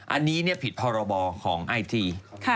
อันนี้ผิดพรบของไอจี